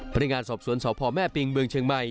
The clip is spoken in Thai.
พนักงานสอบสวนสพแม่ปิงเมืองเชียงใหม่